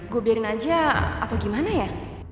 gue biarin aja atau gimana ya